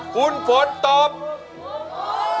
ถูกปะคุณฝน